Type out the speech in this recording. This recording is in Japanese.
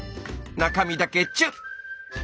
中身だけチュッ！